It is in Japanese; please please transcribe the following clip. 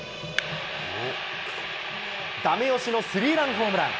だめ押しのスリーランホームラン。